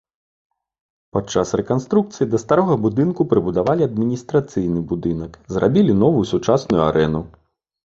Падчас рэканструкцыі да старога будынку прыбудавалі адміністрацыйны будынак, зрабілі новую сучасную арэну.